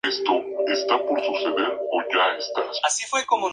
Durante el desarrollo el equipo se trasladó a Boston.